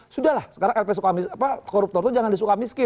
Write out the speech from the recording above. sudahlah sekarang lp suka koruptor tuh jangan disuka miskin